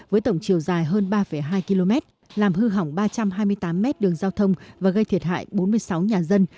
với tổng chiều dài hơn ba hai km làm hư hỏng ba trăm hai mươi tám mét đường giao thông và gây thiệt hại bốn mươi sáu nhà dân